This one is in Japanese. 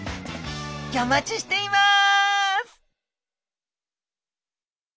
ギョ待ちしています！